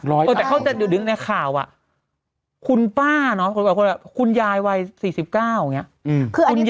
แต่เขาจะดึกในข่าวคุณป้าเนอะคนอื่นคุณยายวัย๔๙เนี่ย